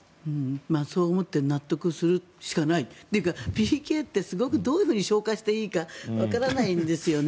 そう思って納得するしかない。というかＰＫってすごくどういうふうに紹介していいかわからないんですよね。